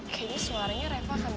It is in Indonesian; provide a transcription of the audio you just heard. kayaknya suaranya reva kebuka aja